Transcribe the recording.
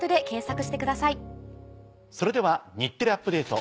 それでは『日テレアップＤａｔｅ！』